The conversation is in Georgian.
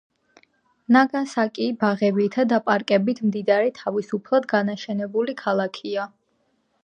ნაგასაკი ბაღებითა და პარკებით მდიდარი, თავისუფლად განაშენიანებული ქალაქია.